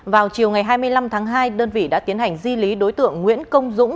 vào chiều ngày hai mươi năm tháng hai đơn vị đã tiến hành di lý đối tượng nguyễn công dũng